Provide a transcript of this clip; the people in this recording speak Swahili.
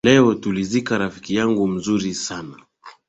Leo tulizika rafiki yangu mzuri san